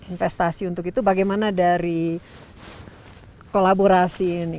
investasi untuk itu bagaimana dari kolaborasi ini